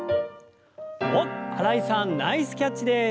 おっ新井さんナイスキャッチです！